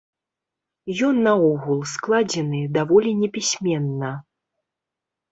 Ён наогул складзены даволі непісьменна.